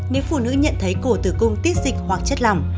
nếu phụ nữ nhận thấy cổ tử cung tiết dịch hoặc chất lỏng